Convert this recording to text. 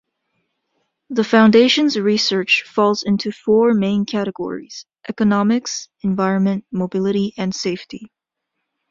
The Foundation's research falls into four main categories: economics, environment, mobility and safety.